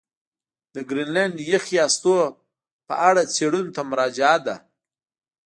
د ګرینلنډ یخي هستو په اړه څېړنو ته مراجعه ده.